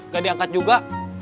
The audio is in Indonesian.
gak diangkat juga